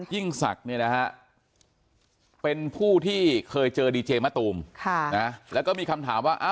อเจมส์อาจารย์ศักดิ์นี่นะคะเป็นผู้ที่เคยเจอดีเจมส์มะตูมแล้วก็มีคำถามว่า